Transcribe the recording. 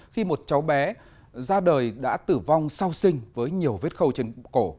khi một cháu bé ra đời đã tử vong sau sinh với nhiều vết khâu trên cổ